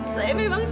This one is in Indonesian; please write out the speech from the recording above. saya memang salah